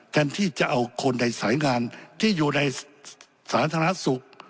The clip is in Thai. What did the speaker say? แทนที่จะเอาคนในสายงานที่อยู่ในสาธารณสุข